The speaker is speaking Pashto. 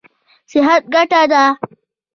صحت ګټه ده.